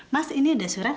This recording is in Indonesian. mas ini ada surat